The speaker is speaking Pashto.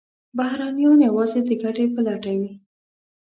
بهرنیان یوازې د ګټې په لټه وي.